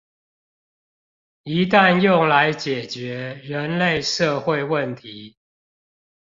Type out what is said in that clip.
一旦用來解決人類社會問題